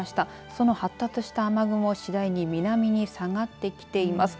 その発達した雨雲次第に南に下がってきています。